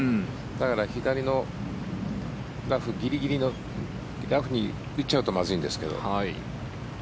だから左のラフギリギリのラフに打っちゃうとまずいんですけど。